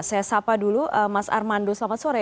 saya sapa dulu mas armando selamat sore